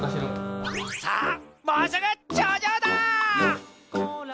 さあもうすぐちょうじょうだ！